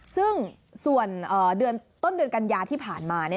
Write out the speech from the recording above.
ซึ่งส่วนต้นเดือนกัญญาที่ผ่านมา